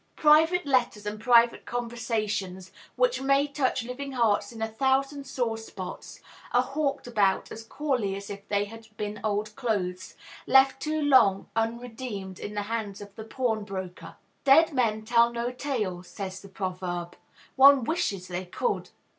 Private letters and private conversations, which may touch living hearts in a thousand sore spots, are hawked about as coolly as if they had been old clothes, left too long unredeemed in the hands of the pawn broker! "Dead men tell no tales," says the proverb. One wishes they could!